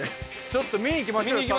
ちょっと見に行きましょうよ早速。